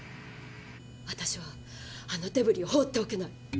私はあのデブリを放っておけない。